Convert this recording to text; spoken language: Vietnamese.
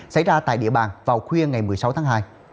xảy ra tại địa bàn vào khuya ngày một mươi sáu tháng hai